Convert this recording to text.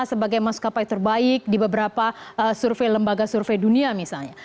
sebagai maskapai terbaik di beberapa survei lembaga survei dunia misalnya